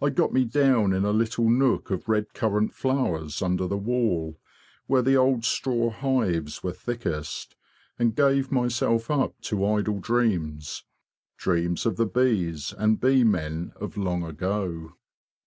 I got me down in a little nook of red currant flowers under the wall, where the old straw hives were thickest, and gave myself up to idle dreams, dreams of the bees and bee men of long ago.